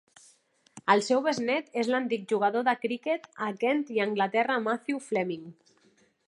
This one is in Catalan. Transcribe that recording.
El seu besnet és l'antic jugador de criquet a Kent i Anglaterra Matthew Fleming.